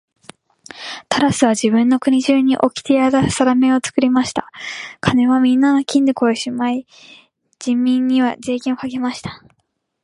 タラスは自分の国中におきてやさだめを作りました。金はみんな金庫へしまい、人民には税金をかけました。